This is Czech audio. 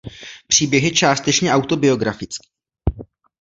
Příběh je částečně autobiografický.